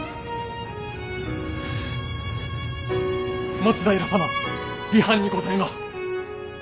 松平様離反にございます。